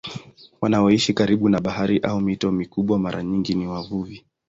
Wanaoishi karibu na bahari au mito mikubwa mara nyingi ni wavuvi.